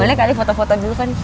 boleh kali foto foto dulu kan